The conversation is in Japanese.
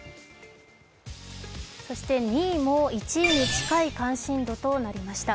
そして２位も１位に近い関心度となりました。